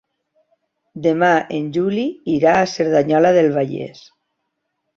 Demà en Juli irà a Cerdanyola del Vallès.